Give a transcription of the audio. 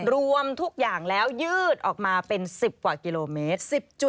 รวมทุกอย่างแล้วยืดออกมาเป็น๑๐กว่ากิโลเมตร